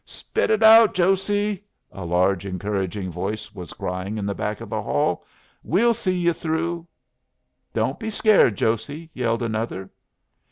"Spit it out, Josey!" a large encouraging voice was crying in the back of the hall. "We'll see you through." "Don't be scared, Josey!" yelled another.